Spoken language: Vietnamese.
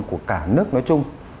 của cả nước nói chung